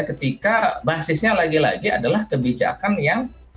ketika basisnya lagi lagi adalah kebijakan yang